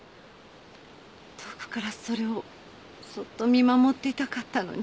遠くからそれをそっと見守っていたかったのに。